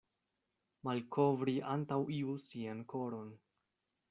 Malkovri antaŭ iu sian koron.